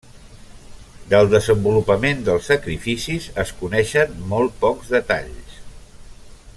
Del desenvolupament dels sacrificis es coneixen molt pocs detalls.